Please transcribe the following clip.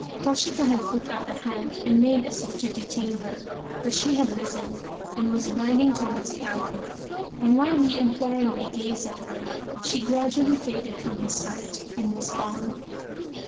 Toshika had put out a hand and made as if to de tain her, but she had risen and was gliding towards the alcove, and while he imploringly gazed at her she gradually faded from his sight and was gone.